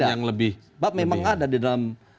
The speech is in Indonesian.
yang lebih memang ada di dalam